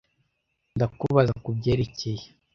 ndakubaza kubyerekeye.